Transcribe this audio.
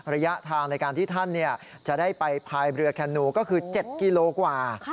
ระยะทางในการที่ท่านจะได้ไปพายเรือแคนูก็คือ๗กิโลกว่า